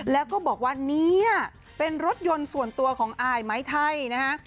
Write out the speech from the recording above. แล้วก็บอกว่าเนี่ยเป็นรถยนต์ส่วนตัวของอายไม้ไทยนะฮะ